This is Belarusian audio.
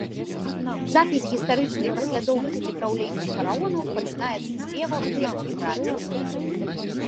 Запіс гістарычнай паслядоўнасці праўлення фараонаў пачынаецца злева ў верхнім радзе.